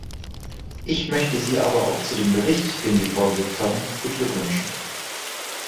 Ich möchte Sie aber auch zu dem Bericht, den Sie vorgelegt haben, beglückwünschen.